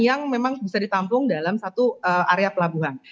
yang memang bisa ditampung dalam satu area pelabuhan